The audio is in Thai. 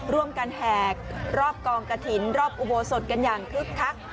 แหกรอบกองกระถิ่นรอบอุโบสถกันอย่างคึกคัก